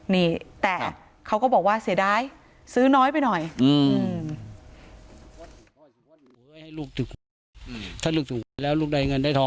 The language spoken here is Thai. นี่แต่เขาก็บอกว่าเสียดาย